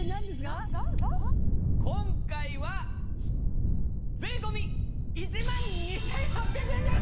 今回は税込１万２８００円です！